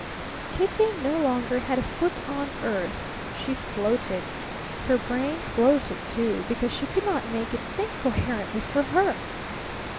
Kitty no longer had a foot on earth. She floated. Her brain floated, too, because she could not make it think coherently for her.